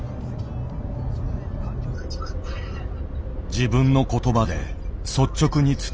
自分の言葉で率直に伝える。